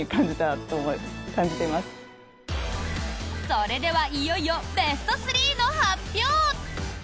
それではいよいよベスト３の発表！